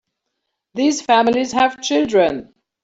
These families have children.